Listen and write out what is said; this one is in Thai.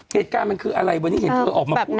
เหตุการณ์มันคืออะไรวันนี้เห็นเธอออกมาพูด